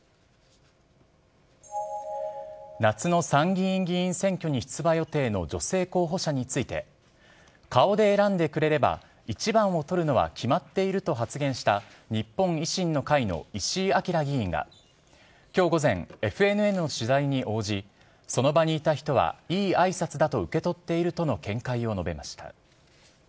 夏の参議院議員選挙に出馬予定の女性候補者について、顔で選んでくれれば、１番を取るのは決まっていると発言した日本維新の会の石井章議員が、きょう午前、ＦＮＮの取材に応じ、その場にいた人はいいあいさつだと受け取っているとの見解を述べました。